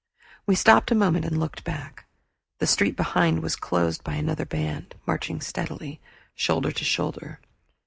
We stopped a moment and looked back. The street behind was closed by another band, marching steadily, shoulder to shoulder.